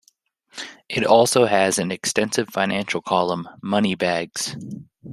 It also has an extensive financial column, "Moneybags".